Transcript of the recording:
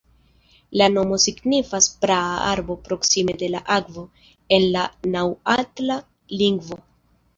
La nomo signifas "praa arbo proksime de la akvo" en la naŭatla lingvo.